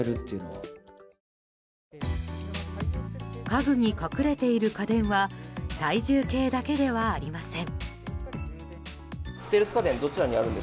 家具に隠れている家電は体重計だけではありません。